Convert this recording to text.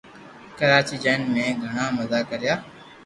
ڪراچي جائين مي گِھڙا مزا ڪريا